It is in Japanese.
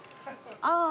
ああ。